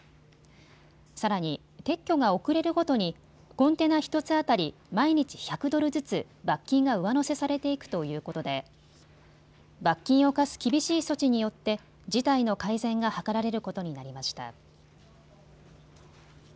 さらに撤去が遅れるごとにコンテナ１つ当たり毎日１００ドルずつ罰金が上乗せされていくということで罰金を科す厳しい措置によって事態の改善が図られることになりました。